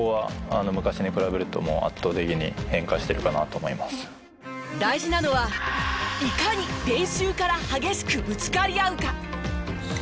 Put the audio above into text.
そこは大事なのはいかに練習から激しくぶつかり合うか。